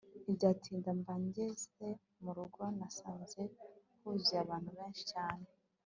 ntibyatinda mba ngeze murugo nasanze huzuye abantu benshi cyane